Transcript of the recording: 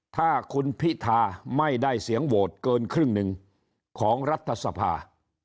ถ้าคุณพิธาไม่ได้เสียงโหวตเกินครึ่งหนึ่งของรัฐสภา